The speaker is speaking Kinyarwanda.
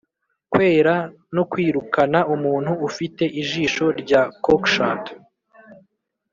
kwera no kwirukana, umuntu ufite ijisho rya cockshut,